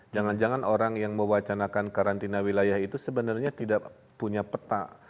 jangan jangan orang yang mewacanakan karantina wilayah itu sebenarnya tidak punya peta